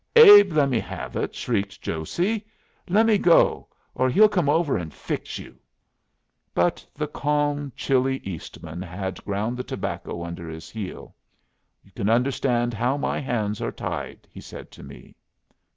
"Abe lemme have it," shrieked Josey. "Lemme go, or he'll come over and fix you." But the calm, chilly Eastman had ground the tobacco under his heel. "You can understand how my hands are tied," he said to me.